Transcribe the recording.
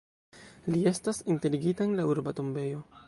Li estas enterigita en la urba tombejo.